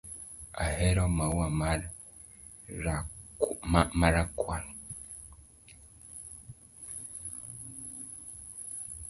Ahero maua ma rakwar